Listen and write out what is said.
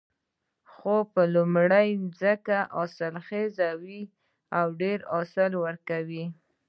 خو لومړۍ ځمکه حاصلخیزه وه او ډېر محصول ورکوي